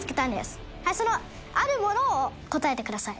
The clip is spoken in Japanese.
そのあるものを答えてください。